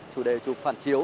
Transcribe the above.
chủ đề chụp phản chiếu